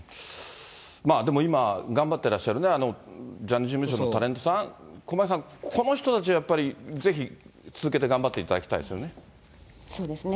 まあでも、今、頑張ってらっしゃるジャニーズ事務所のタレントさん、駒井さん、この人たちはやっぱり、ぜひ続けて頑張っていそうですね。